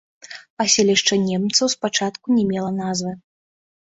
Паселішча немцаў спачатку не мела назвы.